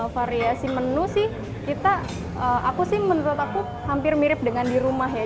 variasi menu sih kita aku sih menurut aku hampir mirip dengan di rumah ya